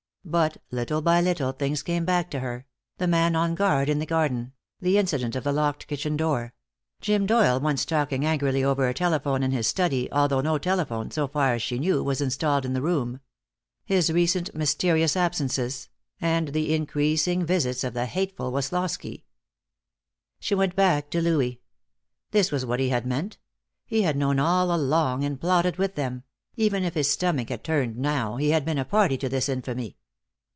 But little by little things came back to her; the man on guard in the garden; the incident of the locked kitchen door; Jim Doyle once talking angrily over a telephone in his study, although no telephone, so far as she knew, was installed in the room; his recent mysterious absences, and the increasing visits of the hateful Woslosky. She went back to Louis. This was what he had meant. He had known all along, and plotted with them; even if his stomach had turned now, he had been a party to this infamy.